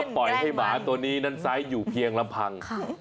แล้วปล่อยให้หมาตัวนี้นั่นซ้ายอยู่เพียงลำพัง